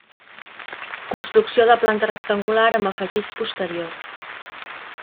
Construcció de planta rectangular amb afegits posterior.